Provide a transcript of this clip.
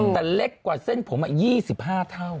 แต่เล็กกว่าเส้นผม๒๕เท่า